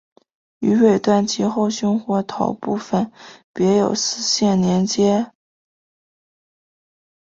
于尾端及后胸或头部分别有丝线连结。